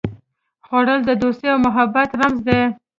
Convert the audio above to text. خوړل د دوستي او محبت رمز دی